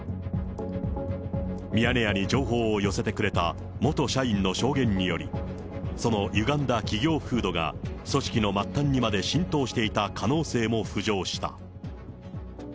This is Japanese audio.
ミヤネ屋に情報を寄せてくれた元社員の証言により、そのゆがんだ企業風土が組織の末端にまで浸透していた可能性も浮上した。